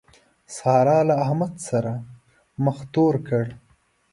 سارا له احمد سره مخ تور کړ.